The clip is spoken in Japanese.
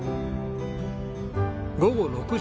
午後６時。